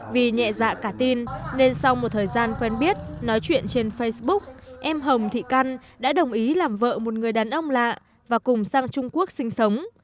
vì nhẹ dạ cả tin nên sau một thời gian quen biết nói chuyện trên facebook em hồng thị căn đã đồng ý làm vợ một người đàn ông lạ và cùng sang trung quốc sinh sống